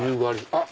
あっ！